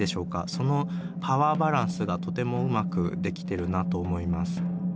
そのパワーバランスがとてもうまくできてるなと思います。